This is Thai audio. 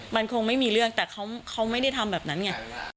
มันคงไม่มีเรื่องแต่เขาไม่ได้ทำแบบนั้นไง